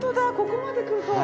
ここまで来ると。